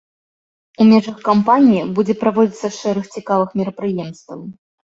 У межах кампаніі будзе праводзіцца шэраг цікавых мерапрыемстваў.